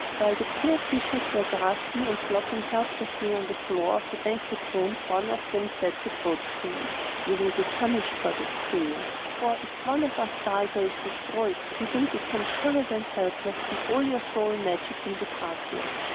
While the poor fishes were gasping and flopping helplessly on the floor of the banquet room one of them said reproachfully: 'You will be punished for this, Coo ee oh, for if one of us dies or is destroyed, you will become shrivelled and helpless, and all your stolen magic will depart from you.'